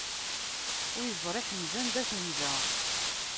Ur iẓri ḥemza anda tenza.